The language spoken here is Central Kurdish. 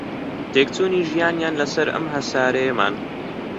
تێکچوونی ژیانیان لەسەر ئەم هەسارەیەمان